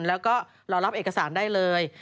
แล้วก็รอรับเอกสารได้เลย